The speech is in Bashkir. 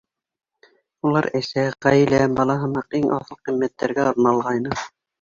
Улар әсә, ғаилә, бала һымаҡ иң аҫыл ҡиммәттәргә арналғайны.